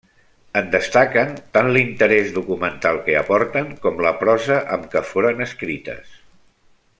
En destaquen tant l'interès documental que aporten com la prosa amb què foren escrites.